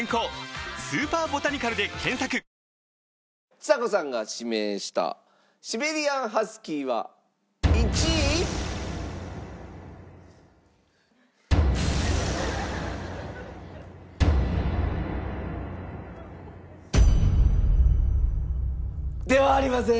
ちさ子さんが指名したシベリアン・ハスキーは１位？ではありません。